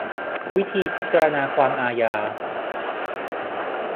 วิธีพิจารณาความอาญา